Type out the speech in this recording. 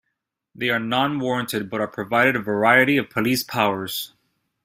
They are non-warranted but are provided a variety of Police powers.